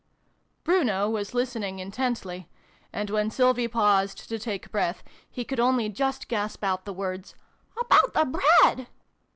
' Bruno was listening intently : and, when Sylvie paused to take breath, he could only just gasp out the words " About the Bread